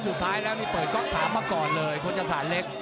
สุดท้ายแล้วนี่เปิดก๊อก๓มาก่อนเลยพจศาลเล็ก